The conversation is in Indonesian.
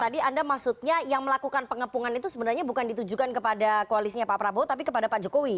tadi anda maksudnya yang melakukan pengepungan itu sebenarnya bukan ditujukan kepada koalisnya pak prabowo tapi kepada pak jokowi